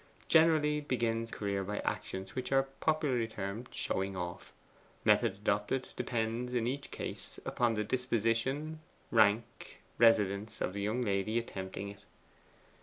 Generally begins career by actions which are popularly termed showing off. Method adopted depends in each case upon the disposition, rank, residence, of the young lady attempting it.